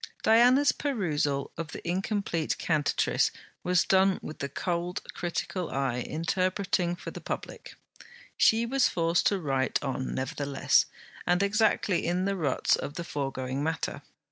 Diana's perusal of the incomplete CANTATRICE was done with the cold critical eye interpreting for the public. She was forced to write on nevertheless, and exactly in the ruts of the foregoing matter.